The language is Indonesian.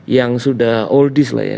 yang sudah oldies lah ya